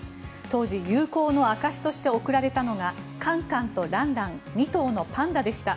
当時、友好の証しとして贈られたのがカンカンとランラン２頭のパンダでした。